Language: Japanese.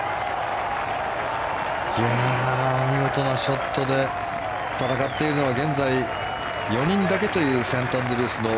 見事なショットで戦っているのは現在、４人だけというセントアンドリュースの